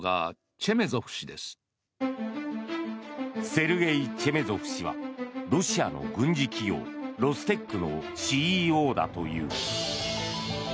セルゲイ・チェメゾフ氏はロシアの軍事企業ロステックのＣＥＯだという。